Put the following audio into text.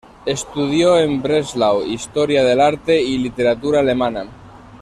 Estudió en Breslau historia del arte y literatura alemana.